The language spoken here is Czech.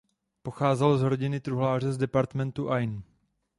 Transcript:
Pocházel z rodiny truhláře z departementu Ain.